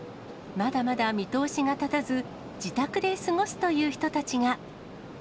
まだまだ見通しが立たず、自宅で過ごすという人たちが。